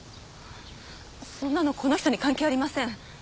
そんなのこの人に関係ありません